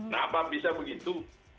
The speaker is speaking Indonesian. nah apa bisa begitu